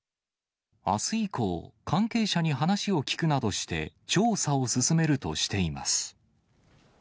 あす以降、関係者に話を聞くなどして、調査を進めるとしています。